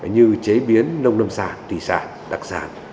như chế biến nông nông sản tỷ sản đặc sản